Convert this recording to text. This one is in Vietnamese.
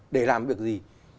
để làm việc gì